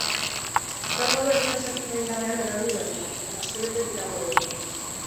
Gaur gauerdian sartu da indarrean araudi berria, eta astebetez iraungo du.